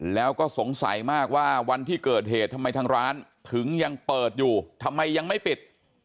แล้วก็สงสัยมากว่าวันที่เกิดเหตุทำไมทางร้านถึงยังเปิดอยู่ทำไมยังไม่ปิด